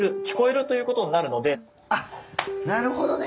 あなるほどね。